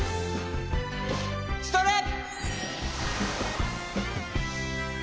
ストレッ！